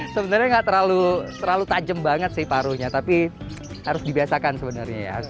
sebenarnya nggak terlalu terlalu tajam banget sih paruhnya tapi harus dibiasakan sebenarnya